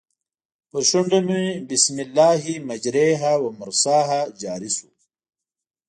پر شونډو مې بسم الله مجریها و مرسیها جاري شو.